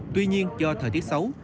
tuy nhiên do thời tiết xấu